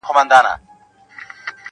او که دي زړه سو هېرولای می سې -